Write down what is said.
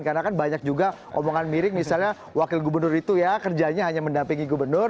karena kan banyak juga omongan miring misalnya wakil gubernur itu ya kerjanya hanya mendampingi gubernur